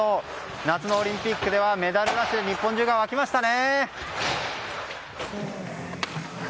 夏のオリンピックではメダルラッシュで日本中が沸きましたね。